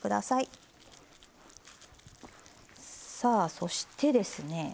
さあそしてですね